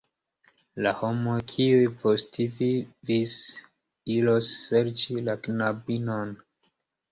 La homoj kiuj postvivis iros serĉi la knabinon.